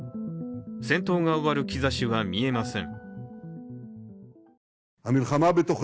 戦闘が終わる兆しは見えません。